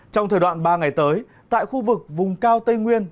trong thời đoạn ba ngày tới tại khu vực vùng cao tây nguyên